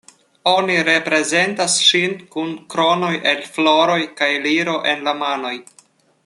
Oni reprezentas ŝin kun kronoj el floroj kaj liro en la manoj.